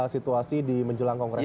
situasi di menjelang kongres